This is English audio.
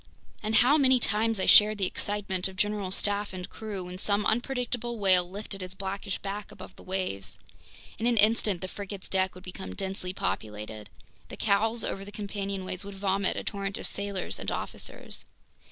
And how many times I shared the excitement of general staff and crew when some unpredictable whale lifted its blackish back above the waves. In an instant the frigate's deck would become densely populated. The cowls over the companionways would vomit a torrent of sailors and officers.